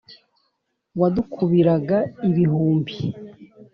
Wadukubiraga ibihumbi